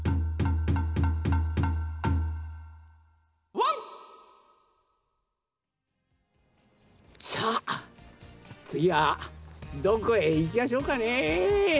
「ワンッ！」さあつぎはどこへいきやしょうかね。